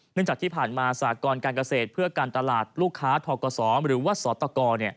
จากที่ผ่านมาสากรการเกษตรเพื่อการตลาดลูกค้าทกศหรือว่าสตก